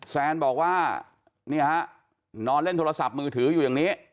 แซนบอกว่านี่ฮะนอนเล่นโทรศัพท์มือถืออยู่อย่างนี้